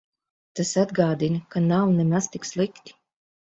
Tas atgādina, ka nav nemaz tik slikti.